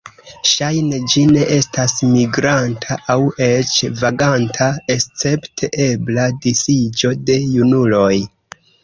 Ŝajne ĝi ne estas migranta aŭ eĉ vaganta escepte ebla disiĝo de junuloj.